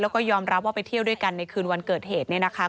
แล้วก็ยอมรับว่าไปเที่ยวด้วยกันในคืนวันเกิดเหตุเนี่ยนะคะ